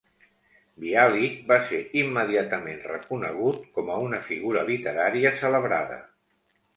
Bialik va ser immediatament reconegut com a una figura literària celebrada.